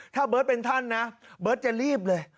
ถ้าเบิร์ตเป็นท่านนะเบิร์ตจะรีบเลย